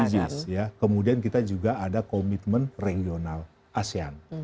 sdg ya kemudian kita juga ada komitmen regional asean